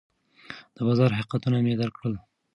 د بازار حقیقتونه مې درک کړل.